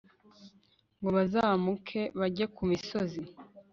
ngo bazamuke bajye ku misozi